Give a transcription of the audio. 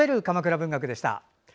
鎌倉文学」でした。